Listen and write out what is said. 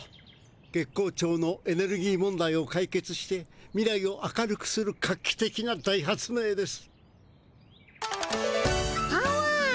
月光町のエネルギー問題を解決して未来を明るくする画期的な大発明です。